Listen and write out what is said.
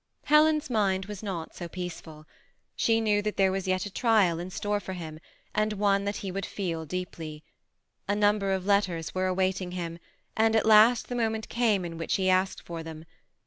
Helen's mind was not so peaceful. She knew that there was yet a trial in store for him, and one that he would 830 THE BEMI ATTACHED COUPLB. feel deeply. A number of letters were waiting £fx him ; and at last the moment came in which he asked for them.